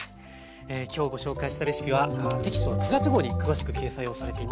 今日ご紹介したレシピはテキスト９月号に詳しく掲載をされています。